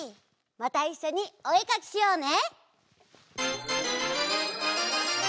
またいっしょにおえかきしようね！